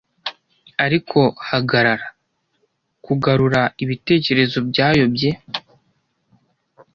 Ariko hagarara! kugarura ibitekerezo byayobye